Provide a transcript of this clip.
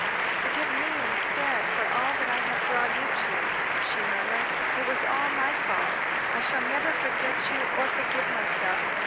"Forgive me instead, for all that I have brought you to," she murmured. "It was all my fault. I shall never forget you or forgive myself.